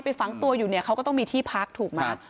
ฝังตัวอยู่เนี่ยเขาก็ต้องมีที่พักถูกไหม